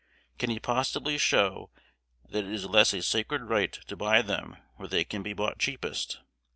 Can he possibly show that it is less a sacred right to buy them where they can be bought cheapest?